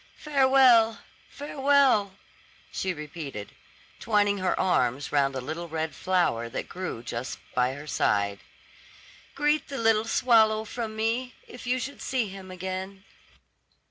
"Farewell, farewell," she repeated, twining her arm round a little red flower that grew just by her side. "Greet the little swallow from me, if you should see him again."